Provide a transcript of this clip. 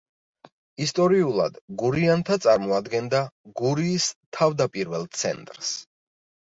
ისტორიულად გურიანთა წარმოადგენდა გურიის თავდაპირველ ცენტრს.